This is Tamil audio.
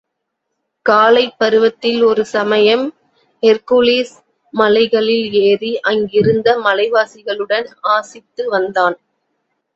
காளைப் பருவத்தில் ஒரு சமயம், ஹெர்க்குலிஸ் மலைகளில் ஏறி, அங்கிருந்த மலைவாசிகளுடன் ஆசித்து வந்தான்.